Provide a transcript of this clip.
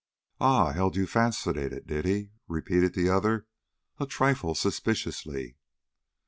"Ah, he held you fascinated, did he?" repeated the other, a trifle suspiciously.